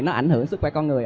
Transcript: nó ảnh hưởng sức khỏe con người